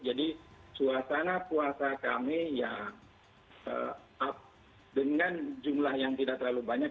jadi suasana puasa kami ya dengan jumlah yang tidak terlalu banyak